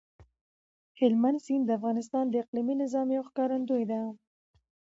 هلمند سیند د افغانستان د اقلیمي نظام یو ښکارندوی دی.